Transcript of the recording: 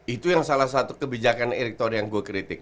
itu yang salah satu kebijakan eriktor yang gue kritik